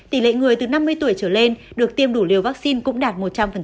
tỷ lệ người từ năm mươi tuổi trở lên được tiêm đủ liều vaccine cũng đạt một trăm linh